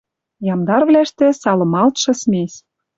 Ямдарвлӓштӹ — салымалтшы смесь.